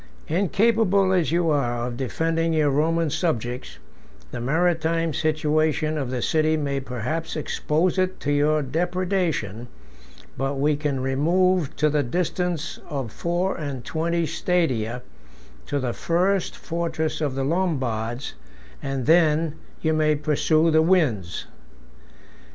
Incapable as you are of defending your Roman subjects, the maritime situation of the city may perhaps expose it to your depredation but we can remove to the distance of four and twenty stadia, to the first fortress of the Lombards, and then—you may pursue the winds.